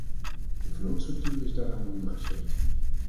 De vlootstructuur is daaraan ondergeschikt.